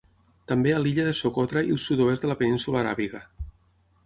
També a l'illa de Socotra i el sud-oest de la Península Aràbiga.